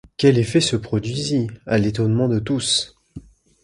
Quel effet se produisit, à l’étonnement de tous!